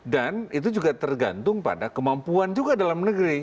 dan itu juga tergantung pada kemampuan juga dalam negeri